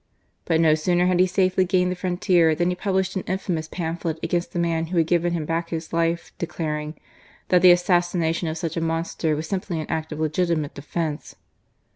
But no sooner had he safely gained the frontier than he published an infamous pamphlet against the man who had given him back his life, declaring " that the assassination of such a monster was simply an act of legitimate defence."